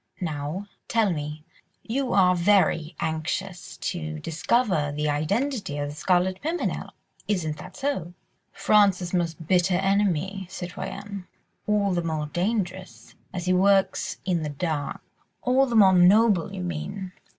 Now, tell me, you are very anxious to discover the identity of the Scarlet Pimpernel, isn't that so?" "France's most bitter enemy, citoyenne ... all the more dangerous, as he works in the dark." "All the more noble, you mean.